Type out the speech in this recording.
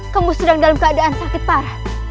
kamu sedang dalam keadaan sakit parah